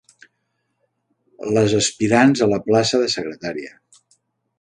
Les aspirants a la plaça de secretària.